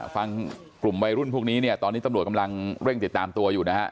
กลุ่มวัยรุ่นพวกนี้เนี่ยตอนนี้ตำรวจกำลังเร่งติดตามตัวอยู่นะฮะ